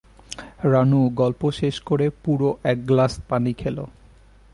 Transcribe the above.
রানু গল্প শেষ করে পুরো একগ্লাস পানি খেল।